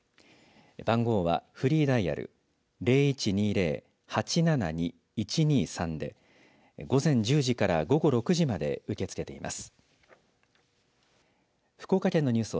番号はフリーダイヤル０１２０−８７２−１２３で午前１０時から午後６時まで受け付けています。